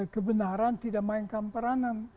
kebenaran tidak mainkan peranan